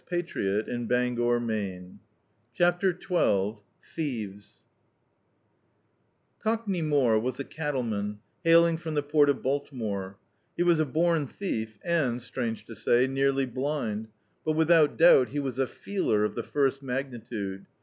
[Ill] D,i.,.db, Google CHAPTER XII COCKNEY MORE was a cattleman, hailiog from the port of Baltimore. He was a bom thief and, strange to say, nearly blind; but without doubt, he was a feeler of the first magnitude.